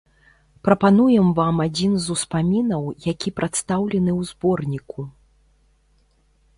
Прапануем вам адзін з успамінаў, які прадстаўлены ў зборніку.